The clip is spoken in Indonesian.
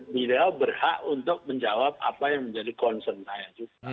beliau berhak untuk menjawab apa yang menjadi concern saya